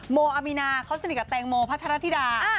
โมอามีนาเขาสนิทกับแตงโมพัทรธิดา